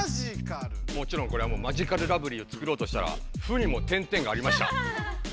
もちろんこれは「まぢかるらぶりー」を作ろうとしたら「ふ」にも点点がありました。